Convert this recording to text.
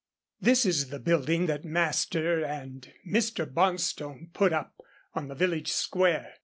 This is the building that master and Mr. Bonstone put up on the village square.